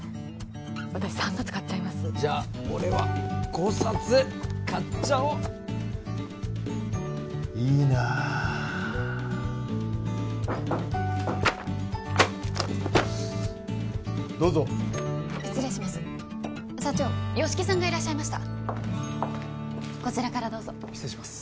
私３冊買っちゃいますじゃあ俺は５冊買っちゃおういいなあどうぞ失礼します社長吉木さんがいらっしゃいましたこちらからどうぞ失礼します